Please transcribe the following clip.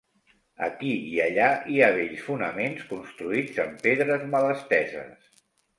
Aquí i allà hi ha vells fonaments construïts amb pedres mal esteses.